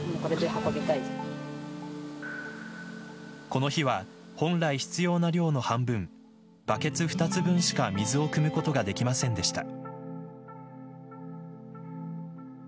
この日は本来必要な量の半分バケツ２つ分しか水をくむことができませんでした。